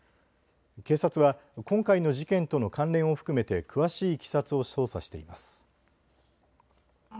警察は今回の事件との関連を含めて詳しいいきさつを捜査しています。